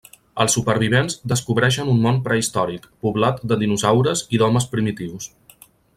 Els supervivents descobreixen un món prehistòric, poblat de dinosaures i d'homes primitius.